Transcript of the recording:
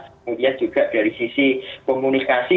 kemudian juga dari sisi komunikasi